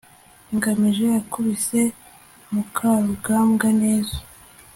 ngamije yakubise mukarugambwa neza